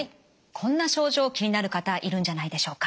こんな症状気になる方いるんじゃないでしょうか？